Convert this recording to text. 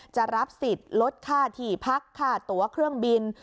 จะรับสิทธิ์ลดค่าที่พักค่าตัวเครื่องบิน